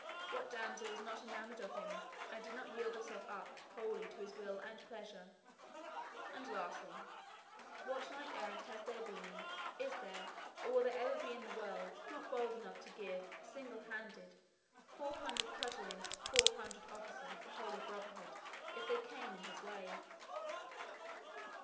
What damsel was not enamoured of him and did not yield herself up wholly to his will and pleasure? And, lastly, what knight errant has there been, is there, or will there ever be in the world, not bold enough to give, single handed, four hundred cudgellings to four hundred officers of the Holy Brotherhood if they come in his way?"